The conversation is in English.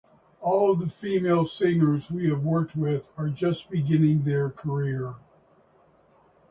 All the female singers we have worked with are just beginning their career.